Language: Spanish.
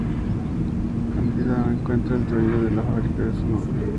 Cándida encuentra que el dueño de la fábrica es su novio.